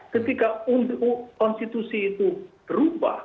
ketika konstitusi itu berubah